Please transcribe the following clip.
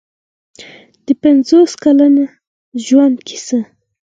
د پنځوس کلن ژوند کیسه.